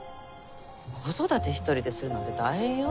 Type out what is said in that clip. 子育て一人でするなんて大変よ？